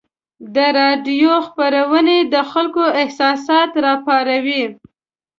د راډیو خپرونې د خلکو احساسات راپاروي.